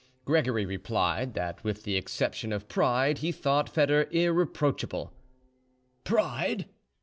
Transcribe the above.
Gregory replied that with the exception of pride he thought Foedor irreproachable. "Pride?"